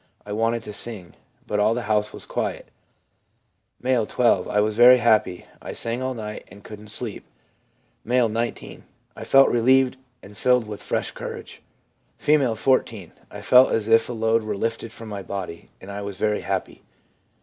I wanted to sing, but all the house was quiet' M., 12. ' I was very happy. I sang all night, and couldn't sleep.' M., 19. ' I felt relieved and filled with fresh courage.' R, 14. ' I felt as if a load were lifted from my body, and I was very happy.'